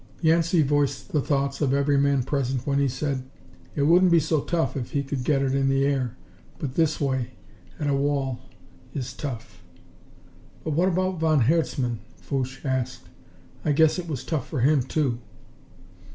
Yancey voiced the thoughts of every man present when he said: "It wouldn't be so tough if he could get it in the air. But this way at a wall is tough." "What about von Herzmann?" Fouche asked. "I guess it was tough for him, too."